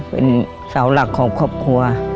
เป็นเสาหลักของครอบครัว